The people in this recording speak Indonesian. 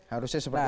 harusnya seperti itu